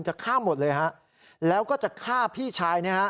จะฆ่าหมดเลยฮะแล้วก็จะฆ่าพี่ชายนะฮะ